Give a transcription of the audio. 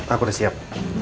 aku udah siap